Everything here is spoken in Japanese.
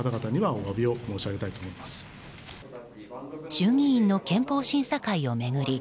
衆議院の憲法審査会を巡り